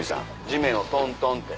地面をトントンって。